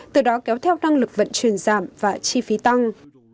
từ đó kéo theo năng lực vận chuyển giảm và chi phí tăng